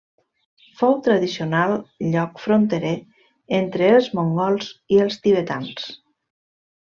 Fou tradicional lloc fronterer entre els mongols i els tibetans.